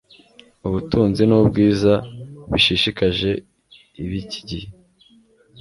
ubutunzi nubwiza bishishikaje ibikigihe